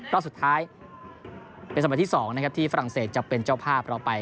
รอบสุดท้ายเป็นสมัยที่๒นะครับที่ฝรั่งเศสจะเป็นเจ้าภาพเราไป